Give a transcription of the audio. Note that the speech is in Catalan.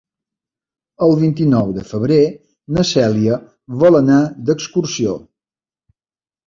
El vint-i-nou de febrer na Cèlia vol anar d'excursió.